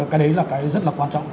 cái đấy là cái rất là quan trọng